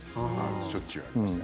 しょっちゅうありますね。